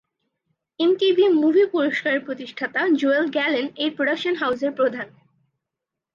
MTV movie পুরস্কারের প্রতিষ্ঠাতা Joel Gallen এই প্রোডাকশন হাউজের প্রধান।